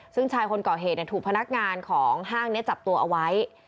ซึ่งชายคนก่อเหตุถูกพนักงานของห้างนี้จับตัวเอาไว้